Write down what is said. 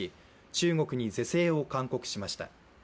中国に是正を勧告しました。